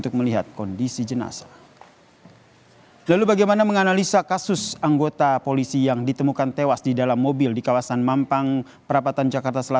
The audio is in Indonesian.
jadi sampai sekarang itu tidak percaya